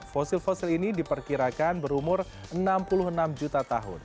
fosil fosil ini diperkirakan berumur enam puluh enam juta tahun